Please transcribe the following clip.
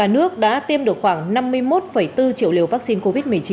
nước đã tiêm được khoảng năm mươi một bốn triệu liều vaccine covid một mươi chín